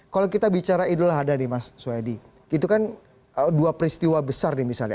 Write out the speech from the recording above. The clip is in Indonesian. kalau kita bicara idul adha nih mas soedi itu kan dua peristiwa besar nih misalnya